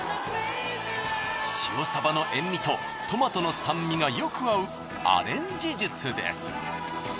塩さばのえん味とトマトの酸味がよく合うアレンジ術です。